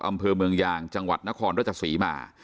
อำเภอเมืองยางจังหวัดนครราชศรีมา